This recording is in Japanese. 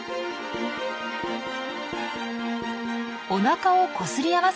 おなかをこすり合わせています。